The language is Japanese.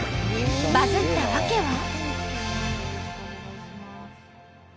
バズった訳は。